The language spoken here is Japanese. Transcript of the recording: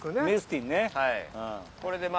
「メスティン」ねうん。